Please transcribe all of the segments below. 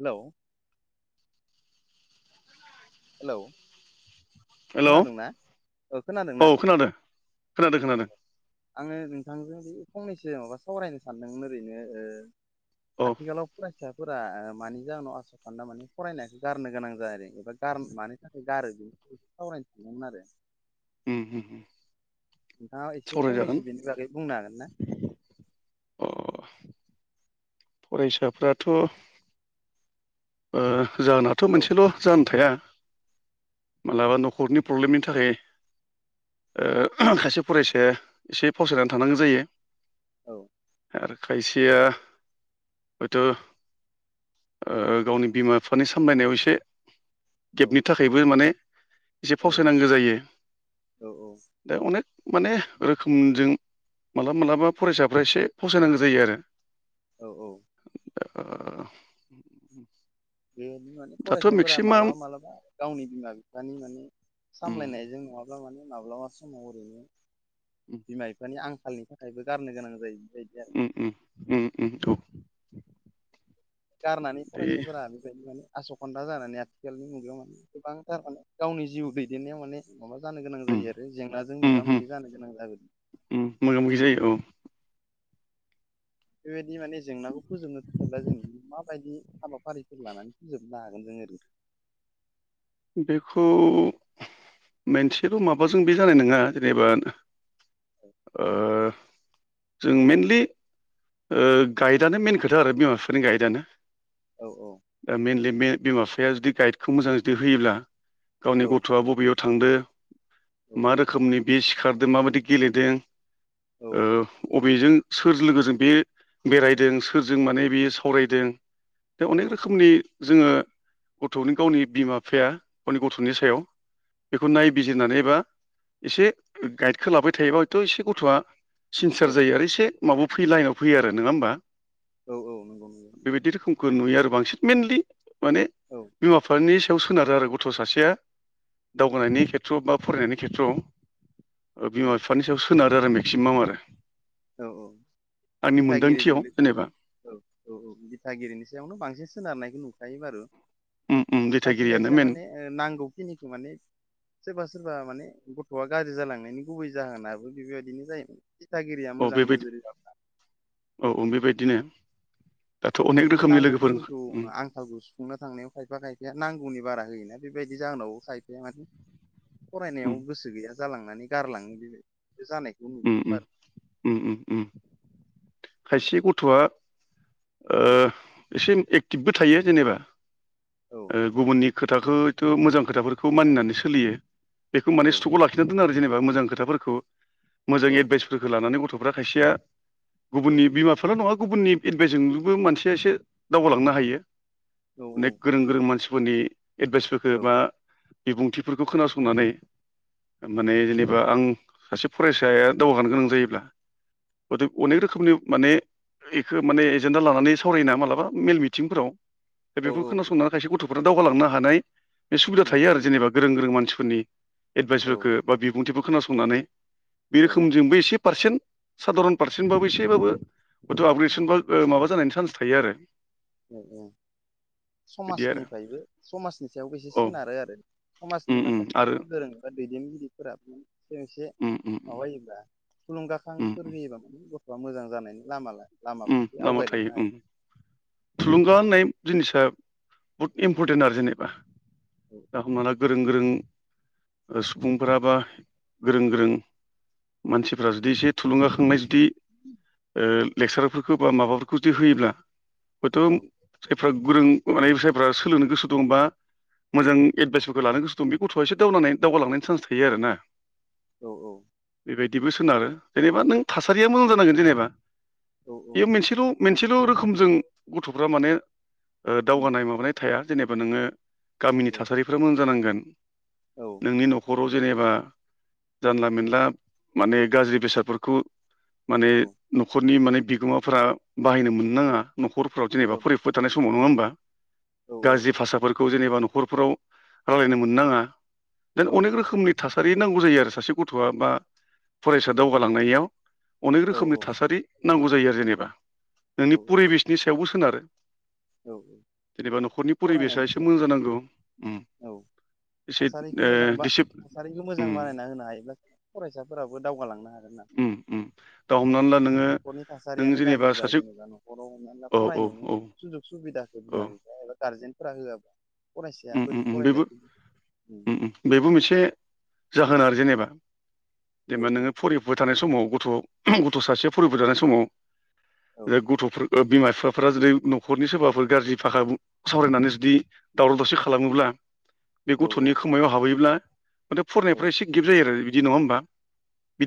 Hello hello hello खोनादोंना ओ औ खोनादोंना? खोनादों खोनादों खोनादों आङो नोंथांजों बे फंनैसो माबा सावरायनो सानदोंमोन ओरैनो ओ औ आथिखालाव फरायसाफोरा मानि जाहोनाव आस'खान्दा माने फरायनायसखो गारनो गोनां जा एबा गार मानि थाखाय गारो बेनि थाखाय सावरायनो सानदोंमोन आरो उम होम नोंथाङा एसे फंनैसो बिनि बागै बुंनो हागोन ना? अ फरायसाफ्राथ' जाहोनाथ' हेलौ मोनसेल' जाहोन थाया मालाबा न'खरनि प्रब्लेमनि थाखाय ओ खायसे फरायसाया एसे फावसायनानै थानांगौ जायो। औ आरो खायसेया हयथ' ओ गावनि बिमा बिफानि सामलायनायाव एसे औ गेबनि थाखायबो माने एसे फावसायनांगौ औ जायो औ दा अनेक माने रोखोमजों मालाबा मालाबा फरायसाफ्रा एसे फावसायनांगौ जायो आरो। औ औ आ बेबायदि माने फरायसाफोरा मालाबा मालाबा गावनि बिमा बिफानि माने उम सामलायनायजों नङाब्ला माने माब्लाबा समाव ओरैनो बिमा बिफानि आंखाल नि थाखायबो गारनो गोनां जायो। बेबायदि आरो उम उम उम उम औ गारनानै बे फरायसाफोरा बेबायदि माने आस'खानदा जानानै आथिखालनि मुगायाव माने गोबां थारमाने गावनि जिउ दैदेननायाव माने माबा जानो गोनां उम जायो आरो जेंनाजों उम मोगा उम मोगि जानो गोनां जागोन। उम मोगा मोगि जायो औ बेबायदि माने जेंनाखौ फोजोबनो थाखायब्ला जों माबायदि हाबाफारिफोर लानानै फोजोबनो लागोन जों ओरै बेखौ मोनसेल' माबाजों बे जानाय नङा जेनेबा ओ जों मेनलि ओ गाइडानो मेन खोथा आरो बिमा बिफानि गाइदआनो औ औ दा मेइनलि बिमा बिफाया जुदि गाइडखौ मोजां जुदि होयोब्ला औ गावनि गथ'आ बबेयाव थांदो। औ मा रोखोमनि बे सिखारदों माबायदि गेलेदों अबेजों सोर लोगोजों बे बेरायदों सोरजों माने बेयो सावरायदों। दा औ अनेक रोखोमनि जोङो गथ'नि गावनि बिमा बिफाया गावनि गथ'नि सायाव बेखौ नायबिजिरनानैबा एसे गाइडखौ लाबाय थायोबा हयथ' एसे गथ'आ औ सिनसार जायो आरो एसे माबायाव फैयो लाइनाव फैयो आरो नङा होमबा। औ औ नंगौ नंगौ बेबायदि रोखोमखौ नुयो आरो बांसिन मेनलि माने औ बिमा बिफानि याव सोनारो आरो गथ' सासेया दावगानायनि खेथ्रआव बा फरायनायनि खेथ्रआव ओ औ बिमा बिफानि सायाव सोनारो आरो मेक्सिमाम आरो औ औ आंनि दिथागिरिजों मोनदांथियाव जेनेबा औ औ औ दिथागिरिनि सायावनो बांसिन सोनारनायखौ नुखायो बारु उम उम खायसे दिथागिरियानो खायसेया मेन माने नांगौखिनिखौ माने सोरबा सोरबा माने गथ'आ गाज्रि जालांनायनि गुबै जाहोनाबो बेबायदिनो जायोमोन। दिथा औ बेबायदि औ बेबायदिनो दाथ' अनेक गथ'नि रोखोमनि लोगोफोर नांगौखिनिखौ उम आंखालखौ सुफुंनो थांनायाव खायफा खायफाया नांगौनि बारा होयोना। बेबायदि जाहोनाव थाहैफाया माने उम फरायनायाव गोसो गैया जालांनानै गारलाङो बेबायदि। जानायखौ नुदों उम आरो उम उम खायसे गथ'आ ओ औ एसे एक्टिभबो थायो जेनेबा औ गुबुननि खोथाखौ हयथ' मोजां खोथाफोरखौ मानिनानै सोलियो बेखौ माने स्टकआव लाखिना दोन आरो। जेनेबा मोजां खोथाफोरखौ मोजां औ एडभाइसफोरखौ लानानै गथ'फ्रा खायसेया औ गुबुननि बिमा बिफाल' नङा गुबुननि एडभाइसजोंबो मानसिया एसे दावगालांनो हायो। औ औ अनेख हायो गोरों गोरों हायो मानसिफोरनि एडभाइसफोरखौ औ बा बिबुंथिफोरखौ खोनासंनानै माने जेनेबा आं सासे फरायसा फिसाया दावगागानो गोनां जायोब्ला गथे अनेक रोखोमनि माने बेखौ माने एजेन्डा लानानै सावरायना मालाबा मेल मिथिंफोराव दा औ बेफोरखौ औ खोनासंनानै खायसे गथ'फोरा दावगालांनो हानाय बे सुबिदा थायो आरो जेनेबा गोरों गोरों मानसिफोरनि औ एडभाइसफोरखौ बा बिबुंथिफोर खोनासंनानै बे रोखोमजोंबो एसे पारसेन्ट साधारन पारसेन्टबाबो एसेबाबो बयथ' आपग्रेडसन बा माबा जानायनि चान्स थायो आरो [unintelligible] बिदि आरो समाजनिफ्रायबो समाजनि सायाव एसे औ सोनारो आरो समाजनि उम उम माखासे आरो गोरों दैदेनगिरिफोरा एसे उम उम माबायोबब्ला उम थुलुंगाखांफोर उम होयोबा माने गथ' बा मोजां जानायनि लामा लामा उम फारसे लामा थायो आवगायलांनो उम हायो। थुलुंगा होननाय जिनिसा बहुत इम्परटेन्ट आरो जेनेबा दा हमना ला गोरों गोरों सुबुंफोरा बा गोरों गोरों मानसिफ्रा जुदि एसे थुलुंगाखांनाय जुदि लेक्सारफोरखौ बा माबाफोरखौ जुदि होयोब्ला हयथ' औ जायफ्रा गोरों माने जायफ्रा सोलोंनो गोसो दंबा मोजां एडभाइसफोरखौ लानो गोसो दं बे गथ'आ एसे दाव दावगालांनायनि चान्स थायो आरो ना औ औ बेबायदिबो सोनारो जेनेबा नों थासारिया मोजां जानांगोन जेनेबा औ औ बेयो मोनसेल' मोनसेल' रोखोमजों गथ'फ्रा माने ओ दावगानाय माबानाय थाया। जेनेबा नोंङो गामिनि औ थासारिफ्रा मोजां जानांगोन औ नोंनि न'खर जेनेबा जानला मोनेनला माने गाज्रि बेसादफोरखौ माने औ न'खरनि माने बिगोमाफोरा बाहायनो मोननाङा न'खरफोराव जेनेबा औ फराफुबाय थानाय समाव नङा होमबा गाज्रि भाषाफोरखौ जेनेबा न'खरफोराव रायजलायनो मोन नाङा जेन औ अनेक रोखोमनि थासारि नांगौ जायो आरो सासे गथ'आ बा फरायसा दावगालांनायाव अनेक रोखोमनि थासारि नांगौ जायो आरो जेनेबा नोंनि परिबेसनि सायावबो सोनारो। औ जेनेबा न'खरनि परिबेसा फरायनायनि एसे मोजां जानांगौ उम सायाव औ एसे थासारिखौ मोजां ओ बा दिसिप थासारिखौ मोजां उम बानायना होनो हायोब्लासो फरायसाफोराबो दावगालांनो हागोन न [inaudible] उम उम दा हमनानै ला नोंङो थासारियानो गाज्रिबा जेनेबा न'खराव हमनानै औ औ फरायनोनो औ सुजुग सुबिदाखौ औ बिमा बिफाया एबा गारजेनफोरा होआबा फरायसाया उम उम बोरै उम बेबो फरायलायगोन उम उम बेबो मोनसे जा [unintelligible] आरो जेनेबा औ देमबा नोङो फरिफुबाय थानाय समाव गथ' गथ' सासेया फरिबो [unintelligible] समाव ओ औ [unintelligible] गथ'फोर ओ बिमा- बिफाफ्रा जुदि न'खरनि सोरबाफोर गाज्रि भाखा बु सावरायनानै जुदि दावराव दावसि खालामोब्ला बे औ गथ'नि खोमायाव हाबहैब्ला [unintelligible] औ फरायनायफ्रा एसे गेफ्ट जायो आरो बिदि नङा होमबा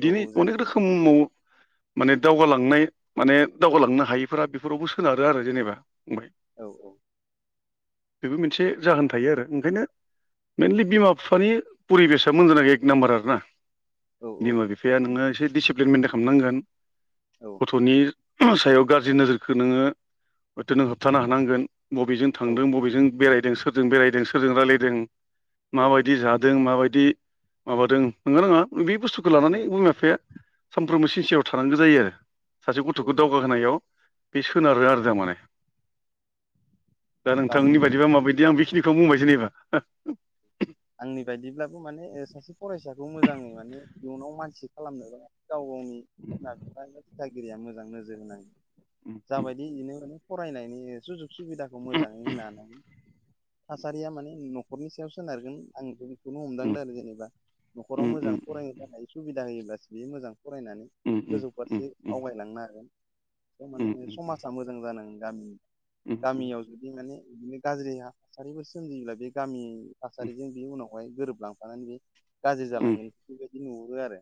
औ औ जायो अनेक जायो रोखोमाव माने दावगालांनाय माने दावगालांनो हायिफोरा बेफोरावबो सोनारो आरो जेनेबा ओमफ्राय औ औ। बेबो मोनसे जाहोन थायो आरो ओंखायनो मेइनलि बिमा फिफानि परिबेसा मोजां [unintelligible] एक नाम्बार आरोना औ बिमा बिफाया नोङो एसे डिसिप्लिन मेेनटेन खामनांगोन। औ गथ'नि [unintelligible] सायाव गाज्रि नोजोरखो नोङो हयत' नों होबथानो हानांगोन। बबेजों थांदों बबेजों बेरायदों सोरजों बेरायदों सोरजों रायलायदों औ माबायदि जादों माबायदि माबादों [unintelligible] बे बुस्थुखौ लानानै बिमा बिफाया सानफ्रोमबो सिनसेयाव थानांगौ जायो आ [unintelligible] सासे औ गथ'खौ औ दावगाहोनायाव बे सोनारो आरो दा माने दा नोंथांनि गावनि बायदिबा माबायदि आं बेखिनिखौ बुंबाय जेनेबा [unintelligible] आंनि बायदिब्लाबो माने ओ सासे [unintelligible] मोजाङै माने इयुनाव मानसि खालामनोबा गाव गावनि बिमा [inaudible] [unintelligible] गिरिया मोजां नोजोर होनां जाबायदि इजिनो माने फरायनायनि सुजु सुबिदाखौ मोजाङै होनो हानांगोन थासारिया माने न'खरनि सायाव सोनारगोन आं [unintelligible] खौनो हमदांदों आरो जेनेबा न'खराव मोजां फरायनो जानाय सुबिदा होयोब्लासो बियो मोजां फरायनानै गोजौ फारसे आवगायलांनो हागोन। ओ माने ओ समाजा मोजां जानांगोन गामि गामियाव जुदि माने बिदिनो गाज्रि हा थासारिफोर सोमजियोब्ला बे गामि थासारिजों बे उनाव बेवहाय गोरोबलांफानानै बे गाज्रि जालांगोन बेफोरबायदि नुहुरो आरो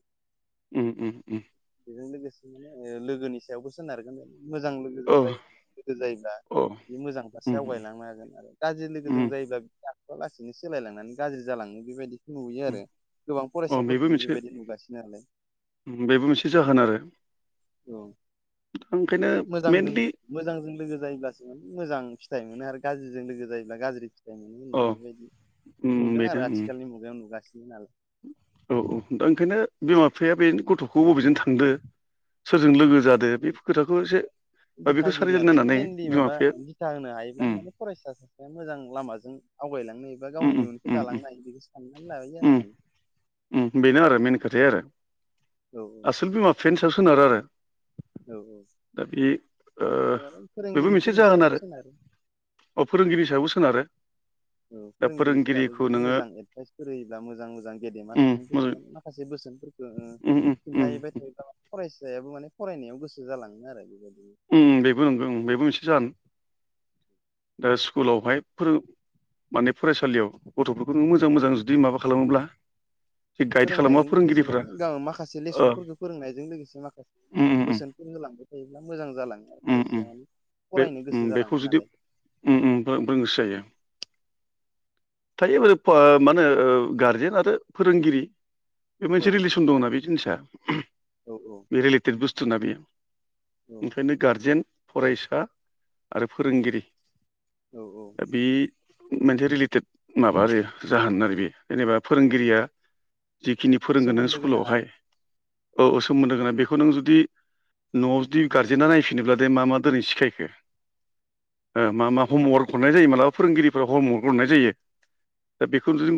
उम उम उम बेजों लोगोसे माने ओ लोगोनि सायावबो सोनारगोन ओ मोजां औ लोगोजों जाय लोगो जायोब्ला औ बि मोजां फारसे आवगायलांनो हागोन आरो गाज्रि लोगोजों जायोब्ला बिहा ओ लासैनो सोलायलांनानै गाज्रि जालाङो बेबायदि नुयो आरो गोबां फरायसाफोरखौनो बेबायदि नुगासिनो नालाय उम बेबो मोनसे जाहोन आरो औ आं ओंखायनो मोजांजों मेनलि मोजांजों लोगो जायोब्लासो जों मोजां फिथाइ मोनो आरो गाज्रिजों लोगो जायोब्ला गाज्रि फिथाइ मोनो अ होननानै बेबायदि उम नुदों आरो बेनो उम आथिखालनि मुगायाव नुगासि औ औ दा ओंखायनो बिमा बिफाया बे गथ'खौ बबेजों थांदो सोरजों लोगो जादो बेफ खोथाखौ एसे बा बेखौ दिथागिरिया सारिजोन माने नायनानै मेनलि बिमा माबा बिफाया दिथा होनो हायोब्लानो उम माने फरायसा सासेया मोजां लामाजों आवगायलांनो एबा उम गावनि उम इयुनखौ उम उम दालांनो हायो बेखौ साननानै लायो आरो उम माने उम बेनो आरो मेेन खोथाया आरो औ आसोल बिमा बिफानि सायाव सोनारो आरो औ औ दा बे ओ माने बेबो मोनसे फोरोंगिरिफोरनि जाहोन आरो सायावबो सोनारो। अ फोरोंगिरि सायावबो सोनारो औ दा फोरोंगिरिफोराबो फोरोंगिरिखौ जुदि नोङो मोजां एदभाइस फोरो होयोब्ला मोजां मोजां गेदेमा उम सुबुंफोरनि मोजां माने माखासे ओ ओ उम उम उम खिन्थायैबाय थायोब्ला फरायसायाबो माने फरायनायाव गोसो जालाङो आरो बेबायद उम बेबो नंगौ उम बेबो मोनसे जाहोन [inaudible] दा स्कुलावहाय फोरो माने फरायसालियाव गथ'फोरखौ [unintelligible] मोजां मोजां जुदि माबा खालामोब्ला जे गाइड खालामा फोरोंनायजों लोगोसे फोरोंगिरिफोरा माने गाम माखासे ओ लेसनफोरखो फोरोंनायजों लोगोसे माखा उम [unintelligible] उम बोसोनफोर होलांबाय थायो। जालांङो उम उम फरायसाया माने बे फरायनो उम गोसो बेखौ जालाङो जुदि नालाय उम उम बो बोंसो जायो। थायो बो मानो ओ गारजेन आरो फोरोंगिरि बे औ मोनसे रिलेसन दंना आरो बे जिनिसा औ औ बे रिलेटेड बुस्थु ना बेयो औ ओंखायनो गारजेन फरायसा आरो फोरोंगिरि औ औ दा बे मोनसे रिलेटेड माबा आरो जाहोन आरो बे जेनेबा फोरोंगिरिया जिखिनि फोरोंगोन नों सोमोन्दो गोनां आरो स्कुलावहाय औ औ सोमोन्दो गोनां बे बेखौ नों जुदि न'आव जुदि गारजेना नायफिनोब्ला दे मा मा दोनै सिखायखो मा मा हमवार्क हरनाय जायो मालाबा फोरोंगिरिफोरा हमवार्क हरनाय जायो। दा बेखौ जों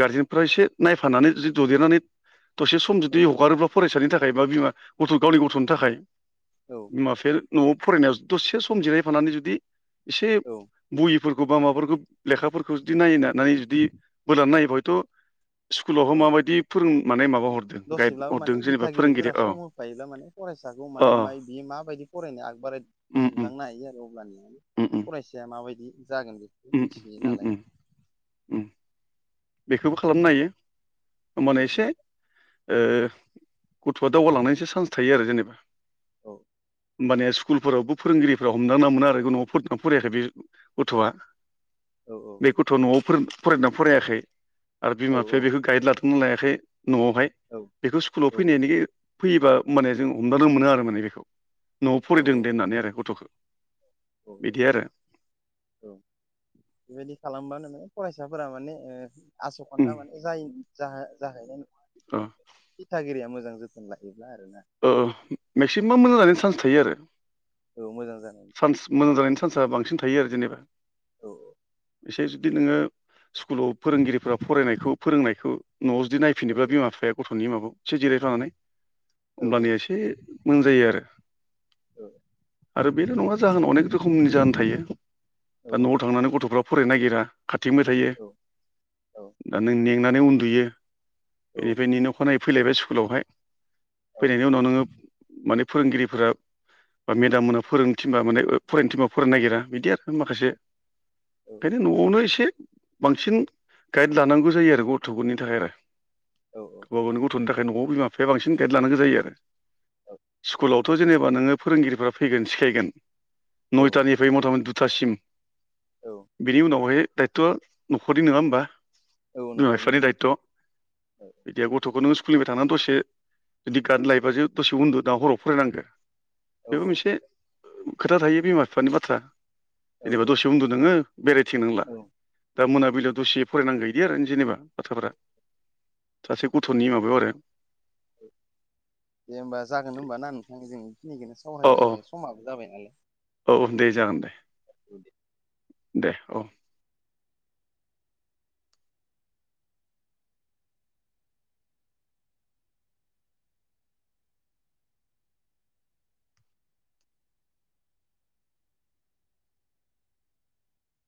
गारजेनफ्रा एसे नायफानानै जि ददेनानै दसे सम औ जुदि हगारोब्ला फरायसानि थाखाय बा बिमा गथ' गावनि गथ'नि थाखाय औ बिमा बिफाया न'आव फरायनायाव दसे सम जिरायफानानै जुदि एसे औ बय फोर बा माबाफोरखौ लेखाफोरखौ जुदि नायनानै जुदि बोलान नायोबा हयथ' स्कुलावहा औ माबायदि फोरों माने माबा हरदों गाइड दसेब्लाबो हरदों माने जेनेबा फोरोंगिरि दिथागिरिफोरा औ सम होफायोब्ला माने फरायसाखौ अ माने माइ बियो मा माबायदि फरायनो आगबाराय उम उम हमदांनो हायो आरो अब्लानि उम उम फरायसाया माबायदि जागोन बेखौ उम मिथिहैयो उम नालाय उम उम बेखौबो खालामनो हायो औ होमबानो एसे ओ गथ'आ दावगालांनायनिसो चान्स थायो आरो जेनेबा औ माने स्कुलफोरावबो फोरोंगिरिफोराव हमदांना मोना आरो न'आव फरायाखै बे गथ'आ औ बे गथ' न'आव फरायदोंना फरायाखै आरो औ बिमा बिफाया बेखौ गाइड लादोंना लायाखै न'आवहाय औ बेखौ स्कुलाव औ फैनायनायनिखि फैयोबा माने जों हमदानो मोनो आरो माने बेखौ न'आव औ फरायदों दे होननानै आरो गथ'खौ औ औ बिदि आरो औ बेबायदि खालामबा नोङो फरायसाफोरा माने आसखान्दा उम माने जाय जाहैनाय अ दिथागिरिया मोजां जोथोन लाहैबाय मेक्सिमाम मोजां जानायनि अब्ला चान्स थायो आरो औ मोजां जानाय चान्स मोजां जानायनि चान्सआ बांसिन थायो आरो जेनेबा औ औ एसे जुदि नोङो स्कुलाव फोरोंगिरिफोरा फरायनायखौ फोरोंनायखौ न'आव जुदि औ नायफिनोबब्ला बिमा बिफाया गथ'नि माबाखौ एसे जिरायफानानै औ होमब्लानो एसे मोनजायो आरो औ आरो बेल' नङा जाहोनाव अनेक रोखोमनि जाहोन थायो औ दा न'आव थांनानै गथ'फ्रा फरायनो नागिरा खारथिंबाय थायो औ औ दा नों मेंनानै उन्दुयो बेनिफ्राय नेनो अखानायै फैलायबाय स्कुलावहाय फैनायनि उनाव नोङो माने फोरोंगिरिफोरा बा मेदाम मोननो फोरों थिनबा माने फरायनो थिनबा फरायनो नागिरा बिदि आरो माखासे औ ओंखायनो न'आवनो एसे बांसिन गाइड लानांगौ जायो आरो गथ'फोरनि थाखाय आरो औ गावबा गावनि गथ'नि थाखाय न'आव बिमा बिफाया बांसिन गेद लानांगौ जायो आरो औ स्कुलाव थ' जेनेबा नोङो फोरोंगिरिफ्रा फैगोन सिखायगोन औ नयथानिफ्राय मथा मथि दुथासिम औ बेनि उनावहाय दायतथ'आ न'खरनि नङा होमबा औ बिमा न'खरनि बिफानि दायथ' औ बिदि गथ'खौ नों स्कुलनिफ्राय थानानै दसे जुदि गाद लायबासो दसे उन्दु दा हराव फरायनांगो औ बेबो मोनसे खोथा थायो बिमा बिफानि बाथ्रा औ जेनेबा औ दसे उन्दु नोङो बेरायथिं नंला दा मोनाबिलियाव दसे फरायनांगोइदि आरो जेनेबा बाथ्राफोरा सासे गथ'नि माबायाव आरो दे होमबा जागोन होमब ना नोंथां जोंखिनिखौनो अ अ सावहरायबाय समाबो जाबाय नालाय औ दे जागोन दे दे औ